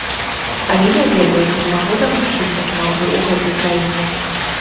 Але не ведаю, ці змагу дамагчыся праўды ў гэтай краіне.